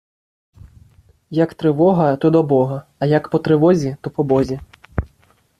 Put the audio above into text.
Як тривога, то до Бога, а як по тривозі, то по Бозі.